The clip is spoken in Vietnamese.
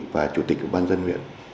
và chủ tịch ban dân huyện